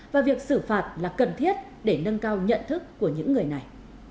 và việc xử phạt là cần thiết để nâng cao nhận thức của những người này